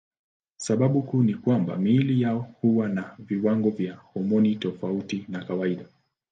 Sababu kuu ni kwamba miili yao huwa na viwango vya homoni tofauti na kawaida.